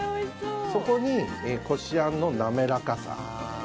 そこに、こしあんの滑らかさ。